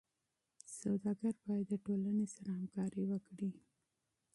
سوداګر باید د ټولنې سره همکاري وکړي.